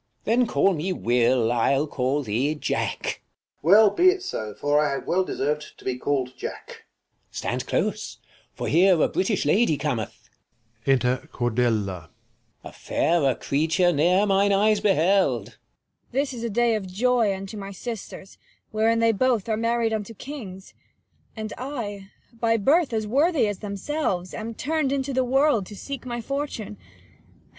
King. Then call me Will, I'll call thee Jack. Mum. Well, be it so, for I have well deserv'd to be calPd Jack. King. Stand close ; for here a British lady cometh : Enter Cordelia. Ajairer creature ne'er mine_eyes beheld. 15 Cor. This is a day of joy unto my sisters, Wherein they both are married unto kings ; And I, by birth, as worthy as themselves, Am turn'd into the world, to seek my fortune.